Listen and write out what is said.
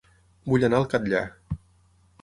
Vull anar a El Catllar